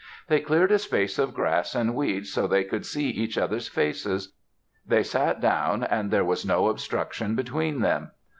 They cleared a space of grass and weeds so they could see each other's faces. They sat down and there was no obstruction between them.